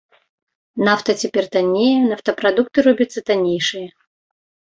Нафта цяпер таннее, нафтапрадукты робяцца таннейшыя.